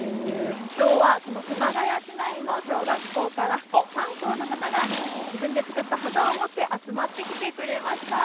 きょうはその熊谷市内の小学校から３校の方が自分で作った旗を持って集まってきてくれました。